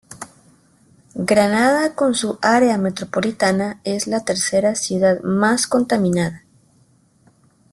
Granada con su área metropolitana es la tercera ciudad más contaminada